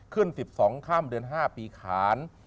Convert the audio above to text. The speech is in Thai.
ขึ้น๑๒ค่ำเดือน๕ปีขาน